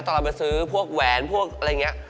ตอนเราไปซื้อพวกแหวนพวกอะไรเงี้ย